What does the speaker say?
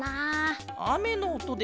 わっあめのおとで？